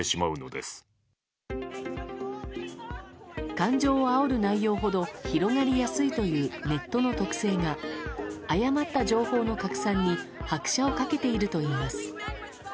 感情をあおる内容ほど広がりやすいというネットの特性が誤った情報の拡散に拍車をかけているといいます。